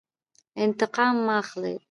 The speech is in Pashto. انتقام مه اخلئ